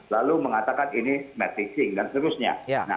lalu mengatakan ini match fixing dan seterusnya